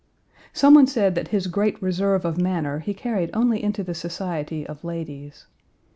Some one said that his great reserve of manner he carried only into the society of ladies.